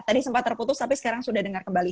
tadi sempat terputus tapi sekarang sudah dengar kembali